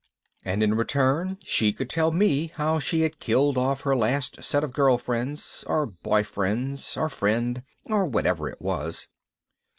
And in return she could tell me how she had killed off her last set of girlfriends, or boyfriends, or friend, or whatever it was.